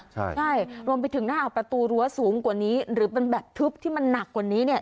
ใช่รวมไปถึงหน้าประตูรั้วสูงกว่านี้หรือเป็นแบบทึบที่มันหนักกว่านี้เนี่ย